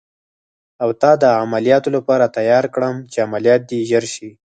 او تا د عملیاتو لپاره تیار کړم، چې عملیات دې ژر شي.